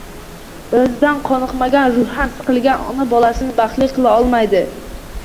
O‘zidan qoniqmagan, ruhan siqilgan ona bolasini baxtli qila olmaydi.